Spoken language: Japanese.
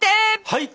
はい！